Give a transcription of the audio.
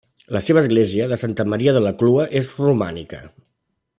La seva església, de Santa Maria de la Clua és romànica.